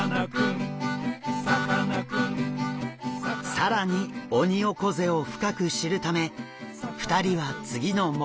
更にオニオコゼを深く知るため２人は次の目的地へ。